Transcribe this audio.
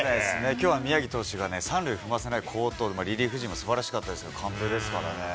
きょうは宮城投手が、三塁を踏ませない好投、リリーフ陣もすばらしかったですから、完封ですからね。